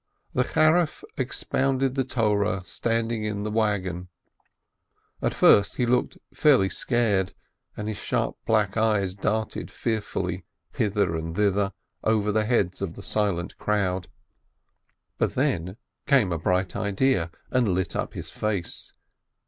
The Charif expounded the Torah standing in the wagon. At first he looked fairly scared, and his sharp black eyes darted fearfully hither and thither over the heads of the silent crowd. Then came a bright idea, and lit up his face.